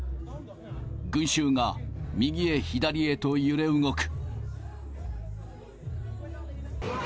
群衆が右へ左へと揺れ動く。